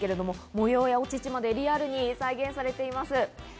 模様やお乳までリアルに再現されています。